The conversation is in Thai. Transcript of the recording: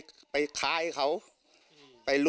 ก้มสารกาล